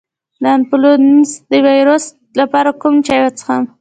د انفلونزا د ویروس لپاره کوم چای وڅښم؟